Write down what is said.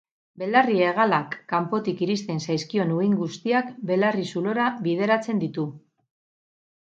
Belarri-hegalak kanpotik iristen zaizkion uhin guztiak belarri-zulora bideratzen ditu.